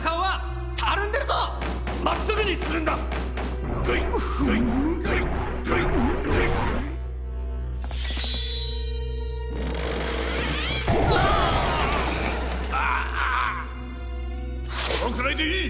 はい。